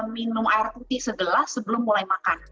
minum air putih segelas sebelum mulai makan